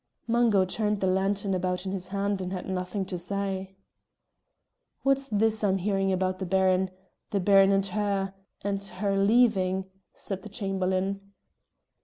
Mungo turned the lantern about in his hand and had nothing to say. "What's this I'm hearing about the Baron the Baron and her and her, leaving?" said the Chamberlain.